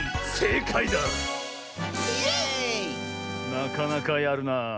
なかなかやるなあ。